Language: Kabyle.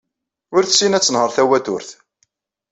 Ur tessin ad tenher tawaturt.